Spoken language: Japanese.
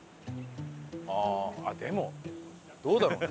あっでもどうだろうね？